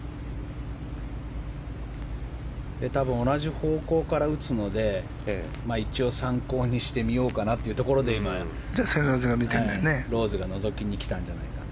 多分、同じ方向から打つので一応、参考にしてみようかなってところでローズがのぞきに来たんじゃないかな。